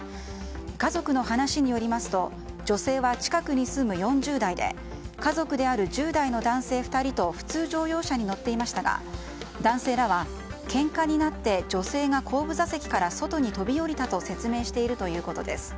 家族の話によりますと女性は近くに住む４０代で家族である１０代の男性２人と普通乗用車に乗っていましたが男性らはけんかになって女性が後部座席から外に飛び降りたと説明しているということです。